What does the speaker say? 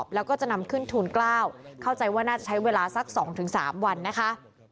แล้วก็จะนำขึ้นทุนกล้าวเข้าใจว่าน่าจะใช้เวลาสักสองถึงสามวันนะคะ